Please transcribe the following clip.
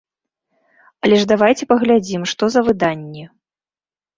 Але ж давайце паглядзім, што за выданні.